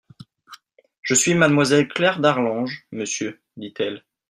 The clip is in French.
Je suis mademoiselle Claire d'Arlange, monsieur, dit-elle.